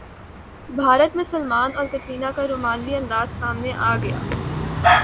بھارت میں سلمان اور کترینہ کا رومانوی انداز سامنے اگیا